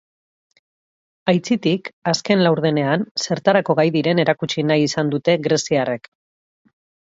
Aitzitik, azken laurdenean, zertarako gai diren erakutsi nahi izan dute greziarrek.